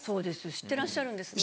知ってらっしゃるんですね。